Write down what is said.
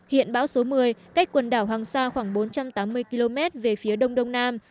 hiện bão số một mươi cách quần đảo hoàng sa khoảng bốn trăm tám mươi km về phía đông đông nam